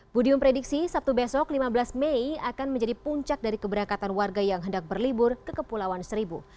budi memprediksi sabtu besok lima belas mei akan menjadi puncak dari keberangkatan warga yang hendak berlibur ke kepulauan seribu